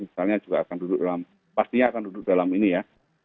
misalnya juga akan duduk dalam pastinya akan duduk dalam ini ya